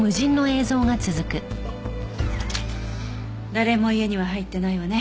誰も家には入ってないわね。